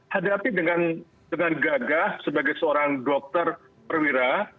hadapi dengan gagah sebagai seorang dokter perwira